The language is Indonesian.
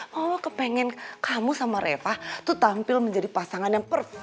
kalau kepengen kamu sama reva tuh tampil menjadi pasangan yang perform